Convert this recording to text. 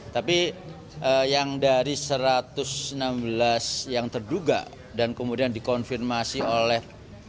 tapi yang dari satu ratus enam belas yang terduga dan kemudian dikonfirmasi oleh